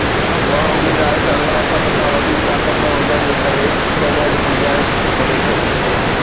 اها اميد آهي ته الله، سڀ کان وڌيڪ طاقتور هجڻ جي ڪري، توبه جي گنجائش ڇڏي ٿو